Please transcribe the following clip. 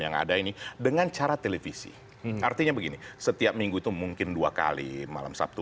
yang ada ini dengan cara televisi artinya begini setiap minggu itu mungkin dua kali malam sabtu